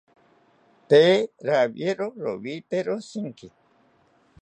Tee rawiero rowitero shinki